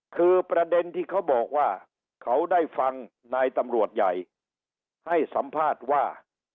คือประเด็นที่เขาบอกว่าเขาได้ฟังนายตำรวจใหญ่ให้สัมภาษณ์ว่า